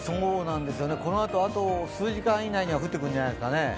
このあと、あと数時間以内には降ってくるんじゃないですかね。